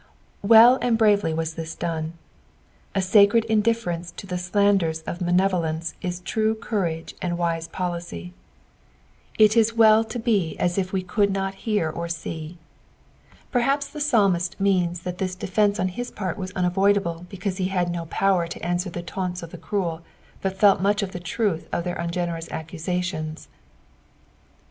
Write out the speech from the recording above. Well and bravely was this done. A ucred indifference to the slanders of malevolence is true courage and wise 321 EXPoeinoKS of the psalks. policj. It is well to b« la if we could not hear or se«. Perhapo Ihe {iralmut means that this dcaftieaa on hia part whs unaroiduble because he had nu power to answer the taunts of the cruel, but felt much of the truth of their ungeDenxu accusations.